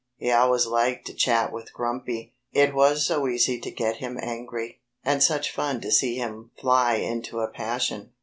He always liked to chat with Grumpy, it was so easy to get him angry, and such fun to see him fly into a passion.